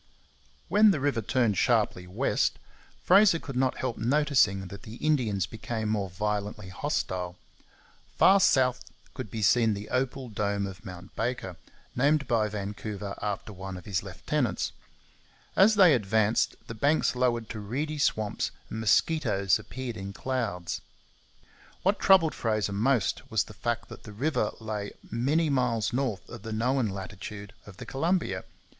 When the river turned sharply west, Fraser could not help noticing that the Indians became more violently hostile. Far south could be seen the opal dome of Mount Baker, named by Vancouver after one of his lieutenants. As they advanced, the banks lowered to reedy swamps and mosquitoes appeared in clouds. What troubled Fraser most was the fact that the river lay many miles north of the known latitude of the Columbia.